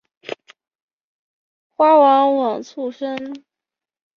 花往往簇生。